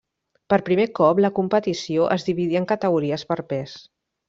Per primer cop la competició es dividí en categories per pes.